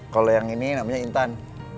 kalau yang ini namanya intan